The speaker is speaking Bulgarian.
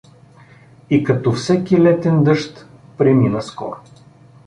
И като всеки летен дъжд, премина скоро.